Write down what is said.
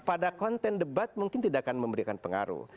pada konten debat mungkin tidak akan memberikan pengaruh